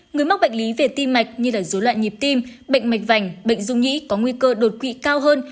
người mắc bệnh lý về tim mạch như là dối loạn nhịp tim bệnh mạch vành bệnh dung nhĩ có nguy cơ đột quỵ cao hơn